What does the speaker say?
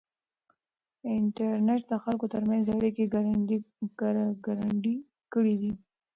انټرنېټ د خلکو ترمنځ اړیکې ګړندۍ کړې دي.